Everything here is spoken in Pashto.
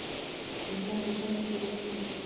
انا په ژمي کې بلې خونې ته کډه وکړه.